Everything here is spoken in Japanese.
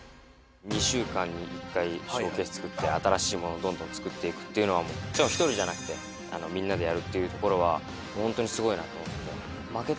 ２週間に１回ショーケース作って新しいものどんどん作っていくっていうのはもちろん一人じゃなくてみんなでやるっていうところはホントにすごいなって思ってて。